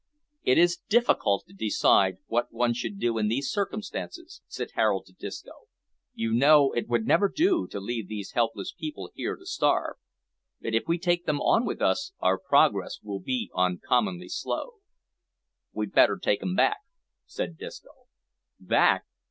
"It is difficult to decide what one should do in these circumstances," said Harold to Disco. "You know it would never do to leave these helpless people here to starve; but if we take them on with us our progress will be uncommonly slow." "We'd better take 'em back," said Disco. "Back!